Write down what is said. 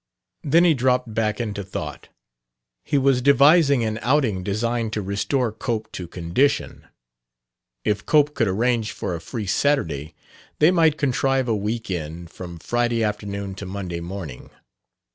Then he dropped back into thought. He was devising an outing designed to restore Cope to condition. If Cope could arrange for a free Saturday, they might contrive a week end from Friday afternoon to Monday morning.